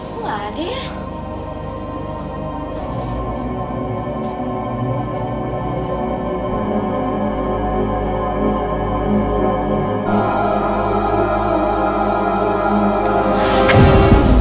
kok gak ada ya